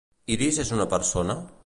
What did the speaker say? Iris és una persona?